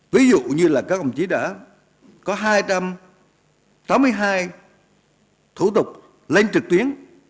ví dụ như là các ông chí đã có hai trăm tám mươi hai thủ tục lên trực tuyến